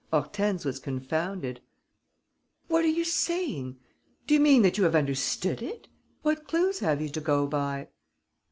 Hortense was confounded: "What are you saying? Do you mean that you have understood it? What clues have you to go by?"